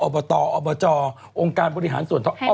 ตอบตอบจองค์การบริหารส่วนท้อง